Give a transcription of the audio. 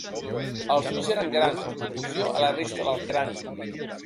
Els ulls eren grans en proporció a la resta del crani.